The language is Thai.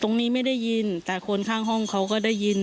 ไม่ได้ยินแต่คนข้างห้องเขาก็ได้ยิน